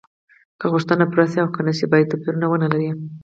که غوښتنه پوره شي او که نشي باید توپیر ونلري.